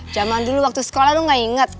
zaman dulu waktu sekolah lu gak inget